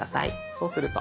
そうすると。